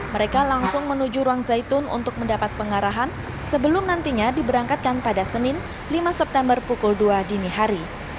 mereka langsung menuju ruang zaitun untuk mendapat pengarahan sebelum nantinya diberangkatkan pada senin lima september pukul dua dini hari